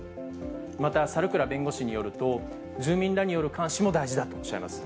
また、猿倉弁護士によると、住民らによる監視も大事だとおっしゃいます。